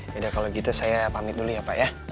yaudah kalau gitu saya pamit dulu ya pak ya